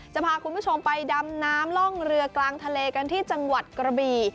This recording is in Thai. จะพาคุณผู้ชมไปดำน้ำล่องเรือกลางทะเลกันที่จังหวัดกระบี่